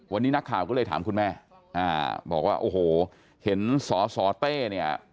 วันนี้นักข่าวก็เลยถามคุณแม่บอกว่าโอ้โหเห็นสสเต้เนี่ย